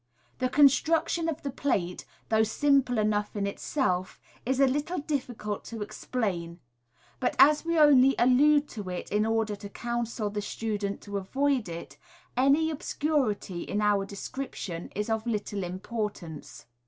The construction of the plate, though simple enough in itself, is a little difficult to explain ; but as we only allude to it in order to counsel the student to avoid it, any obscurity in our description is of little importance.